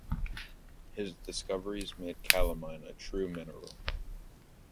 His discoveries made calamine a true mineral.